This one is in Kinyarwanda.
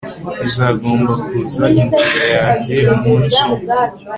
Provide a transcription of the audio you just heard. Uzagomba kuza inzira yanjye umunsi umwe